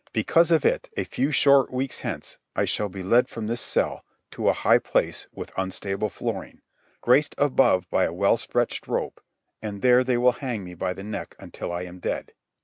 Because of it, a few short weeks hence, I shall be led from this cell to a high place with unstable flooring, graced above by a well stretched rope; and there they will hang me by the neck until I am dead.